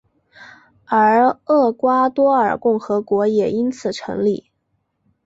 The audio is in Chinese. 而厄瓜多尔共和国也因此成立。